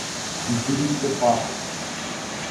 Иджыри щы хъуакъым.